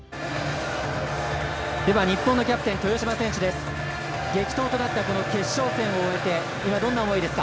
日本のキャプテン豊島選手です。